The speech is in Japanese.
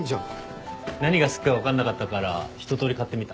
何が好きか分かんなかったから一通り買ってみた。